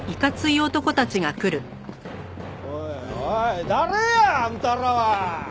おいおい誰や？あんたらは。